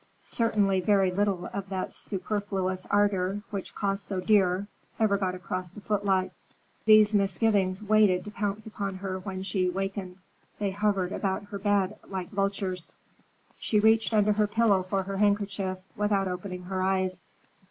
Certainly very little of that superfluous ardor, which cost so dear, ever got across the footlights. These misgivings waited to pounce upon her when she wakened. They hovered about her bed like vultures. She reached under her pillow for her handkerchief, without opening her eyes.